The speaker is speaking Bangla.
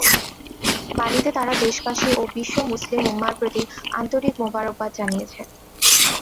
বাণীতে তাঁরা দেশবাসী ও বিশ্ব মুসলিম উম্মাহর প্রতি আন্তরিক মোবারকবাদ জানিয়েছেন।